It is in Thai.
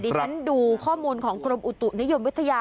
ฉันดูข้อมูลของกรมอุตุนิยมวิทยา